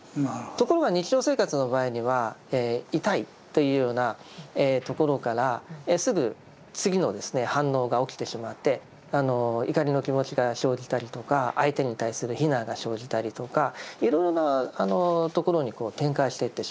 ところが日常生活の場合には痛いというようなところからすぐ次の反応が起きてしまって怒りの気持ちが生じたりとか相手に対する非難が生じたりとかいろいろなところに展開していってしまいます。